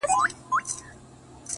د جان نریو گوتو کښلي کرښي اخلمه زه”